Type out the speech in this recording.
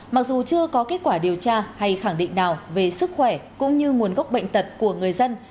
mặc dù chưa có kết quả điều tra hay khẳng định nào về sức khỏe cũng như nguồn gốc bệnh tật của người dân